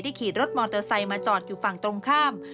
ขี่รถมอเตอร์ไซค์มาจอดอยู่ฝั่งตรงข้าม